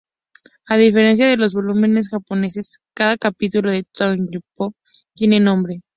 A diferencia de los volúmenes japoneses, cada capítulo de Tokyopop tiene nombre.